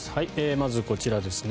まずこちらですね。